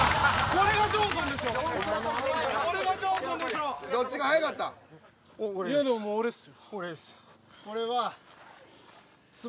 これがジョンソンでしょ俺です